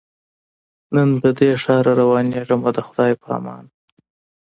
نن دي له ښاره روانېږمه د خدای په امان